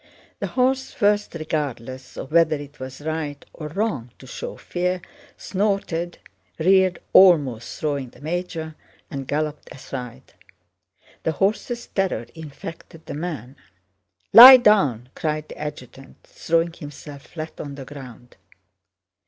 The horse first, regardless of whether it was right or wrong to show fear, snorted, reared almost throwing the major, and galloped aside. The horse's terror infected the men. "Lie down!" cried the adjutant, throwing himself flat on the ground.